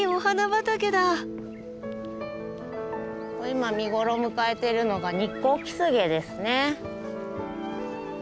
今見頃を迎えてるのがニッコウキスゲですね。